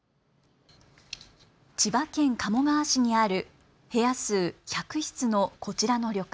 千葉県鴨川市にある部屋数１００室のこちらの旅館。